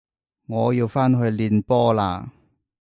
我要返去練波喇